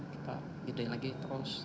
kita gede lagi terus